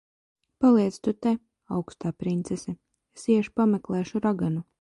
Paliec tu te, augstā princese. Es iešu pameklēšu raganu.